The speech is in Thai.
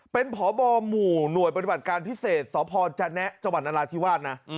เป็นพบหมู่หน่วยปฏิบัติการพิเศษสพจนอที่วาดนะ